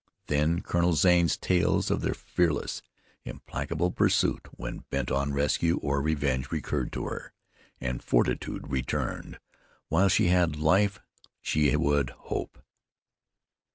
Then Colonel Zane's tales of their fearless, implacable pursuit when bent on rescue or revenge, recurred to her, and fortitude returned. While she had life she would hope.